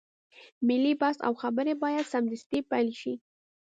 ملي بحث او خبرې بايد سمدستي پيل شي.